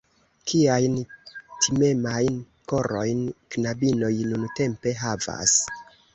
Kiajn timemajn korojn knabinoj nuntempe havas!